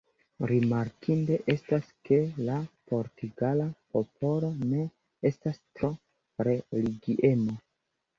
Rimarkinde estas ke la portugala popolo ne estas tro religiema.